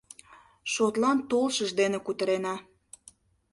Шотлан толшыж дене кутырена.